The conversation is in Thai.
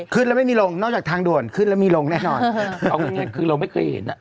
ขึ้นและไม่มีลงนอกจากทางด่วนขึ้นและมีลงแน่นอน